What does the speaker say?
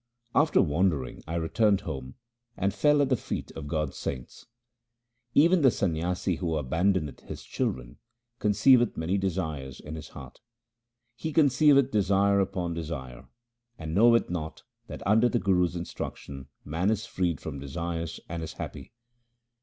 After wandering I returned home, and fell at the feet of God's saints. Even the Sanyasi who abandoneth his children con ceiveth many desires in his heart : He conceiveth desire upon desire, and knoweth not that under the Guru's instruction man is freed from desires and is happy.